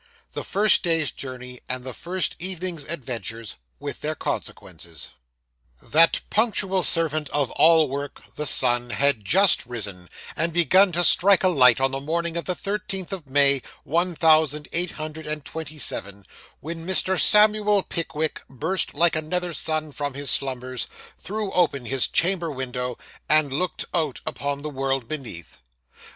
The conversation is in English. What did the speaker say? THE FIRST DAY'S JOURNEY, AND THE FIRST EVENING'S ADVENTURES; WITH THEIR CONSEQUENCES That punctual servant of all work, the sun, had just risen, and begun to strike a light on the morning of the thirteenth of May, one thousand eight hundred and twenty seven, when Mr. Samuel Pickwick burst like another sun from his slumbers, threw open his chamber window, and looked out upon the world beneath.